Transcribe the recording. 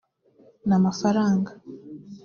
ni amafaranga